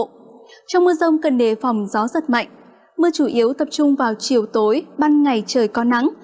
trong mưa rông cần đề phòng gió giật mạnh mưa chủ yếu tập trung vào chiều tối ban ngày trời có nắng